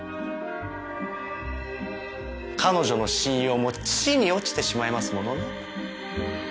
彼女の信用も地に落ちてしまいますものね。